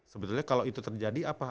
sebetulnya kalau itu terjadi apa